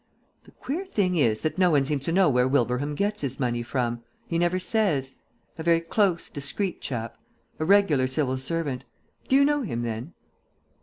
The queer thing is that no one seems to know where Wilbraham gets his money from; he never says. A very close, discreet chap; a regular civil servant. Do you know him, then?"